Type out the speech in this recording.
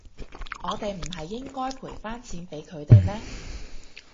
我哋唔係應該賠返錢畀佢哋咩？